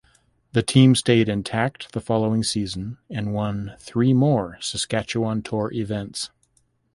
The team stayed intact the following season and won three more Saskatchewan Tour events.